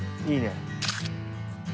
いいね。